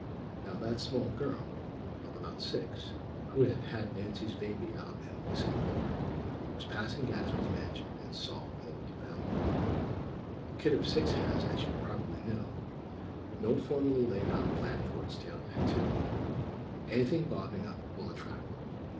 Now that small girl, "of about six," who had had Nancy's baby out in City Park, was passing Gadsby's mansion, and saw Old Bill. A kid of six has, as you probably know, no formally laid out plan for its daily activity; anything bobbing up will attract.